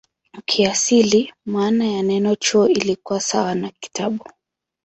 Kiasili maana ya neno "chuo" ilikuwa sawa na "kitabu".